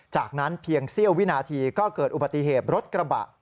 จากนั้นเพียงเสี้ยววินาทีก็เกิดอุบัติเหตุรถกระบะ